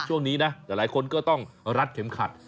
ช่วงนี้นะหลายคนก็ต้องรัดเข็มขัด